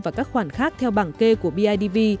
và các khoản khác theo bảng kê của bidv